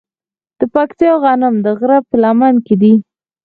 د پکتیا غنم د غره په لمن کې دي.